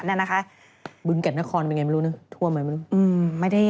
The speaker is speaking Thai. บุญแก่นทะคอนเป็นอย่างไรไม่รู้นะท่วมไหมไม่รู้